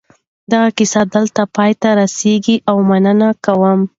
دغه کیسه دلته پای ته رسېږي او مننه کوم.